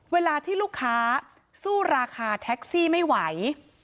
เวลาที่ลูกค้าสู้ราคาแท็กซี่ไม่ไหว